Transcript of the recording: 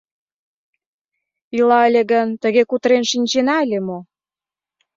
Ила ыле гын, тыге кутырен шинчена ыле мо?